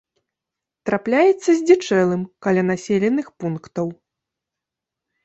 Трапляецца здзічэлым каля населеных пунктаў.